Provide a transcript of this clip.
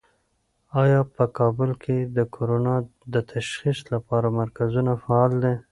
آیا په کابل کې د کرونا د تشخیص لپاره مرکزونه فعال دي؟